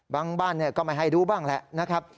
บ้านก็ไม่ให้ดูบ้างแหละนะครับ